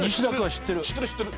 知ってる知ってる。